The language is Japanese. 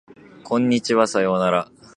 こんにちはさようなら